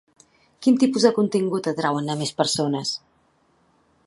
Quin tipus de contingut atrauen a més persones?